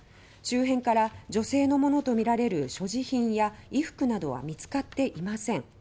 周辺から女性のものとみられる所持品や衣服などは見つかっていません。